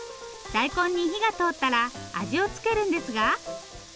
大根に火が通ったら味を付けるんですが。